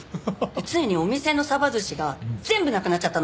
でついにお店のサバ寿司が全部なくなっちゃったの。